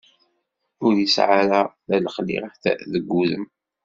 Ur isɛa ara talexliɛt deg udem.